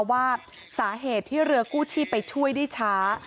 ว่าสาเหตุที่เรือกู้ชีพไปช่วยได้ช้า